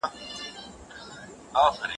په لویه جرګه کي د اقلیتونو استازیتوب څوک کوي؟